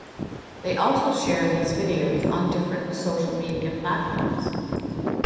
They also share these videos on different social media platforms.